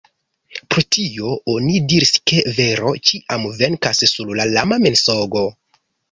Pro tio oni diris ke vero ĉiam Venkas sur lama Mensogo.